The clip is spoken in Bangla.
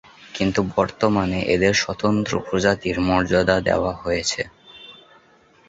কিন্তু বর্তমানে এদের স্বতন্ত্র প্রজাতির মর্যাদা দেয়া হয়েছে।